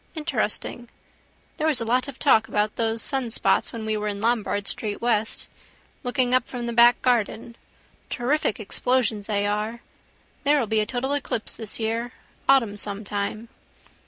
Interesting. There was a lot of talk about those sunspots when we were in Lombard street west. Looking up from the back garden. Terrific explosions they are. There will be a total eclipse this year: autumn some time.